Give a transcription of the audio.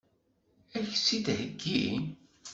Ad k-tt-id-iheggi?